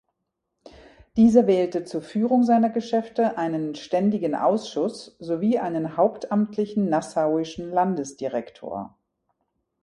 Dieser wählte zur Führung seiner Geschäfte einen „ständigen Ausschuß“ sowie einen hauptamtlichen Nassauischen Landesdirektor.